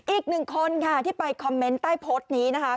อีกหนึ่งคนค่ะที่ไปคอมเมนต์ใต้โพสต์นี้นะคะ